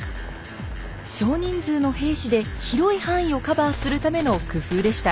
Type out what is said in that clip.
少人数の兵士で広い範囲をカバーするための工夫でした。